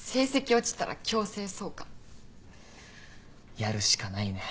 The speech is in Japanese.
やるしかないね。